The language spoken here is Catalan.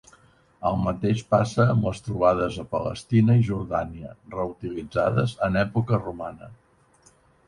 El mateix passa amb les trobades a Palestina i Jordània, reutilitzades en època romana.